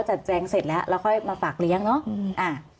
แจงเสร็จแล้วแล้วค่อยมาฝากเลี้ยงเนาะ